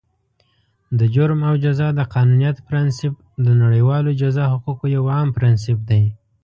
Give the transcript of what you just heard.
د جرم او جزا د قانونیت پرانسیپ، د نړیوالو جزا حقوقو یو عام پرانسیپ دی.